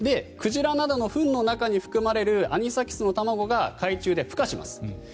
鯨などのフンの中に含まれるアニサキスの卵が海中でふ化します。